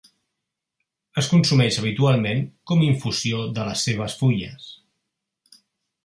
Es consumeix habitualment com infusió de les seves fulles.